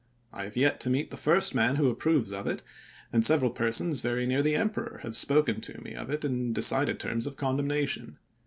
I have yet to meet the first man who approves of it, and several persons very near the Emperor have spoken to me of it in decided terms of condemnation.